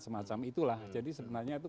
semacam itulah jadi sebenarnya itu